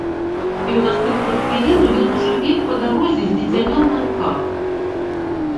І ў наступную хвіліну ён ужо бег па дарозе з дзіцянём на руках.